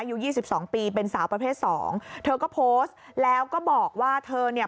อยู่๒๒ปีเป็นสาวประเภท๒เธอก็โพสต์แล้วก็บอกว่าเธอเนี่ย